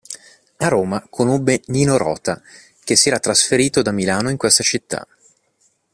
A Roma conobbe Nino Rota, che si era trasferito da Milano in questa città.